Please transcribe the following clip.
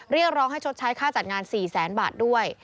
เรียกร้องให้ชดใช้ค่าจัดงาน๔แสนบาทด้วย